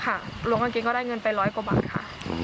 หลวงกางเกงก็ได้เงินไปร้อยกว่าบาทค่ะ